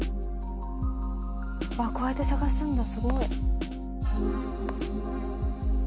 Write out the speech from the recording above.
こうやって探すんだすごい。